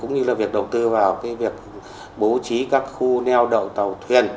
cũng như là việc đầu tư vào việc bố trí các khu neo đậu tàu thuyền